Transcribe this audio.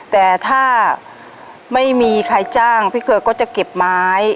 แต่ถ้าไม่มีใครจ้างพี่เครือก็จะเก็บไม้